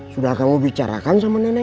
sudah kamu bicarakan sama nenek